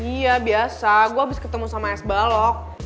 iya biasa gue abis ketemu sama s balok